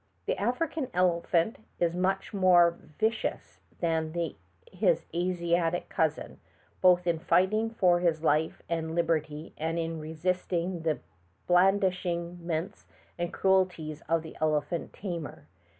211 The African elephant is much more vicious than his Asiatic cousin, both in fighting for his life and liberty and in resisting the blandish ments and cruelties of the elephant tamer.